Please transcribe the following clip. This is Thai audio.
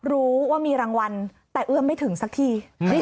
รู้ว่ามีรางวัลแต่เอื้อมไม่ถึงสักที